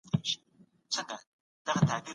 رښتينولي له فريب څخه غوره ده.